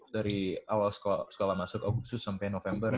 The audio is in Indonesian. dari awal sekolah masuk agustus sampai november